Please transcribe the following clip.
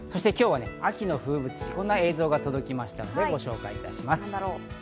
今日は秋の風物詩の映像が届きましたのでご紹介します。